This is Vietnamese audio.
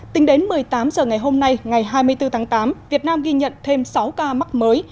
tính đến một mươi tám h ngày hôm nay ngày hai mươi bốn tháng tám việt nam ghi nhận thêm sáu ca mắc mới